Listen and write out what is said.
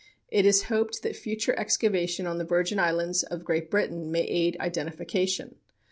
It is hoped that future excavation on the Virgin Islands of Great Britain may aid identification.